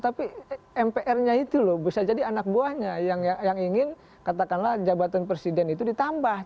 tapi mpr nya itu loh bisa jadi anak buahnya yang ingin katakanlah jabatan presiden itu ditambah